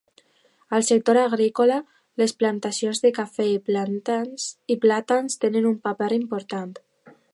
Al sector agrícola, les plantacions de cafè i plàtans tenen un paper important.